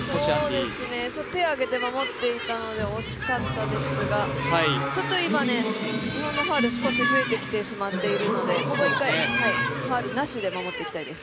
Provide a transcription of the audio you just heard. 手を挙げて守っていたので惜しかったですがちょっと今、日本のファウル少し増えてきてしまっているので一回、ファウルなしで守っていきたいです。